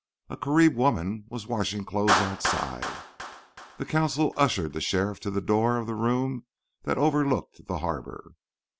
A Carib woman was washing clothes outside. The consul ushered the sheriff to the door of the room that overlooked the harbour.